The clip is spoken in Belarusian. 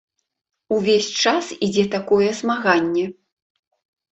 Увесь час ідзе такое змаганне.